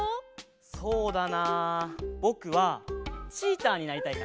そうだなぼくはチーターになりたいかな。